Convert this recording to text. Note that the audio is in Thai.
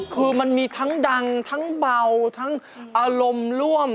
คือมันมีทั้งดังทั้งเบาทั้งอารมณ์ร่วม